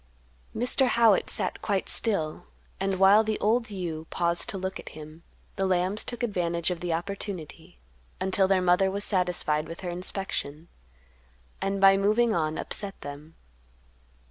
Mr. Howitt sat quite still, and, while the old ewe paused to look at him, the lambs took advantage of the opportunity, until their mother was satisfied with her inspection, and by moving on, upset them.